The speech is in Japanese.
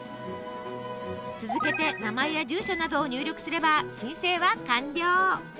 続けて名前や住所などを入力すれば申請は完了！